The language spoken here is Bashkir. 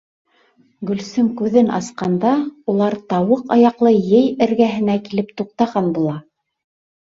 Гөлсөм күҙен асҡанда, улар тауыҡ аяҡлы ей эргәһенә килеп туҡтаған була.